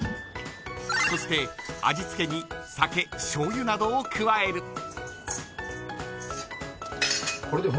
そして味つけに酒、しょうゆなどを加える。